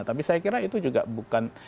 tapi saya kira itu juga bukan